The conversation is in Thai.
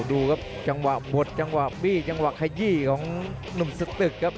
ดูครับจังหวะหมดจังหวะบี้จังหวะขยี้ของหนุ่มสตึกครับ